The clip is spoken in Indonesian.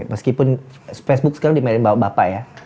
meskipun fb sekarang dimainin bapak ya